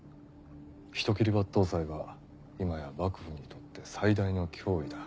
人斬り抜刀斎は今や幕府にとって最大の脅威だ。